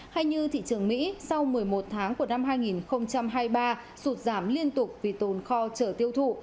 hay như thị trường mỹ sau một mươi một tháng của năm hai nghìn hai mươi ba sụt giảm liên tục vì tồn kho trở tiêu thụ